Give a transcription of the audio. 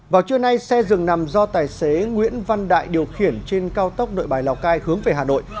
vào trưa nay xe dừng nằm do tài xế nguyễn văn đại điều khiển trên cao tốc nội bài lào cai hướng về hà nội